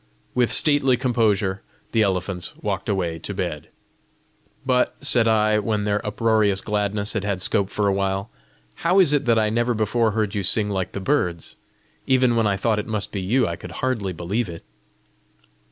With stately composure the elephants walked away to bed. "But," said I, when their uproarious gladness had had scope for a while, "how is it that I never before heard you sing like the birds? Even when I thought it must be you, I could hardly believe it!"